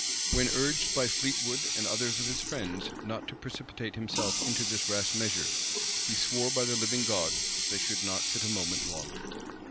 When urged by Fleetwood and others of his friends not to precipitate himself into this rash measure, he swore by the living God that they should not sit a moment longer.